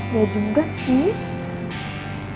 ya juga sih